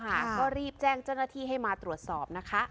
ก็รีบแจ้งเจ้าหน้าที่ให้มาตรวจสอบนะคะ